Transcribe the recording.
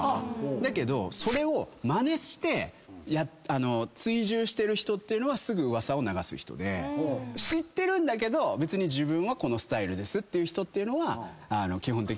だけどそれをまねして追従してる人っていうのはすぐ噂を流す人で知ってるけど別に自分はこのスタイルですって人は基本的には。